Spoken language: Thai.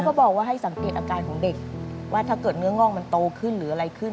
เขาบอกว่าให้สังเกตอาการของเด็กว่าถ้าเกิดเนื้องอกมันโตขึ้นหรืออะไรขึ้น